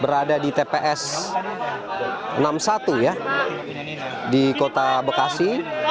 berada di tps enam puluh satu ya di kota bekasi